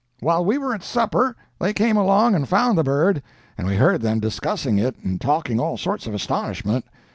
While we were at supper, they came along and found the bird, and we heard them discussing it and talking all sorts of astonishment.